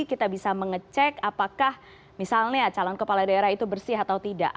kita bisa mengecek apakah misalnya calon kepala daerah itu bersih atau tidak